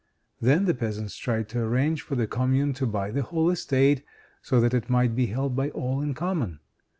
Then the peasants tried to arrange for the Commune to buy the whole estate, so that it might be held by all in common.